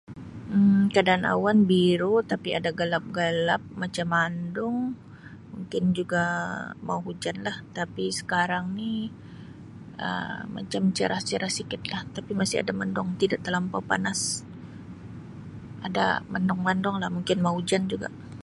Keadaan awa biru tapi ada gelap-gelap macam mandung mungkin juga mau hujan lah tapi sekarang ni Um macam cerah-cerah sikitlah tapi masi ada mendung tidak telampau panas ada mendung-mendunglah mungkin mau hujan juga.